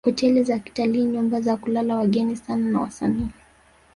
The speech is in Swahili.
Hoteli za kitalii nyumba za kulala wageni sanaa na wasanii